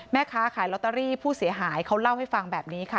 แม่ค้าขายลอตเตอรี่ผู้เสียหายเขาเล่าให้ฟังแบบนี้ค่ะ